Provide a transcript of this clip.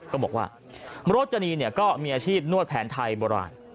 ก็บอกว่ามโรจนีก็มีอาชีพนวดแผนไทยโบราณ